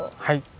はい。